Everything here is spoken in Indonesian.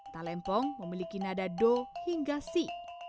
talempong memiliki nada do hingga sea